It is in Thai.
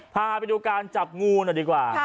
พาไปดูการจับงูหน่อยดีกว่า